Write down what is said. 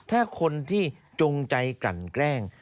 ถ้าคนที่จงใจกันแกล้ง